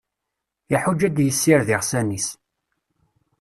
Iḥuǧǧ ad d-yessired iɣsan-is.